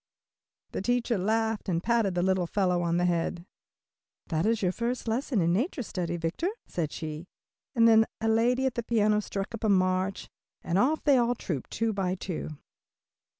The teacher laughed and patted the little fellow on the head. "That is your first lesson in nature study, Victor," said she, and then a lady at the piano struck up a march and off they all trooped two by two.